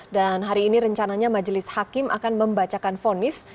dan hari ini rencananya majelis hakim akan membacakan fonis